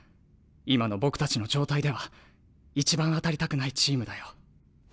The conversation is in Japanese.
今の僕たちの状態では一番当たりたくないチームだよ。